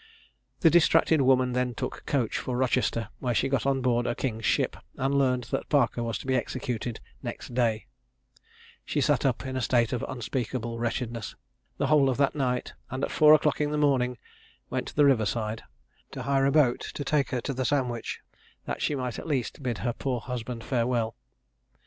The distracted woman then took coach for Rochester, where she got on board a king's ship, and learnt that Parker was to be executed next day: she sat up, in a state of unspeakable wretchedness, the whole of that night, and at four o'clock in the morning went to the river side, to hire a boat to take her to the Sandwich, that she might at least bid her poor husband farewell.